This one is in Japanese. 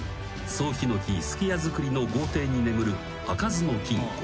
総ヒノキ数寄屋造りの豪邸に眠る開かずの金庫］